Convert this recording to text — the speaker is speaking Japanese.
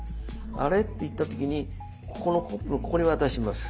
「あれ？」って言った時にここのコップのここに渡します。